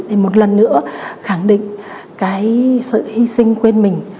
để một lần nữa khẳng định sự hy sinh quên mình